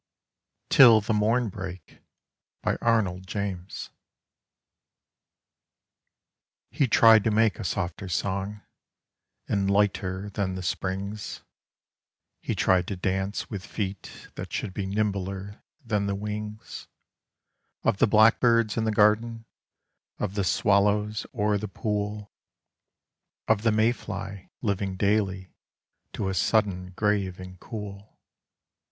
51 ARNOLD JAMES. 'TILL THE MORN BREAK.' HE tried to make a softer song, and lighter than the Spring's, He tried to dance with feet that should be nimbler than the wings Of the blackbirds in the garden, of the swallows o'er the pool, Of the may fly living daily to a sudden grave and cool.